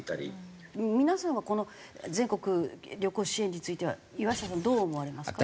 皆さんはこの全国旅行支援については岩下さんどう思われますか？